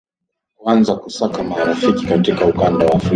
kuanza kusaka marafiki katika ukanda wa afrika